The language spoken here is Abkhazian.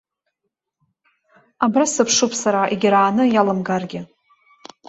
Абра сыԥшуп сара, егьарааны иалымгаргьы.